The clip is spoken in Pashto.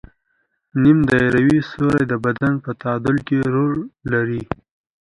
نیم دایروي سوري د بدن په تعادل کې رول لري.